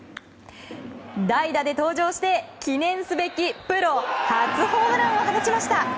代打で登場して記念すべきプロ初ホームランを放ちました。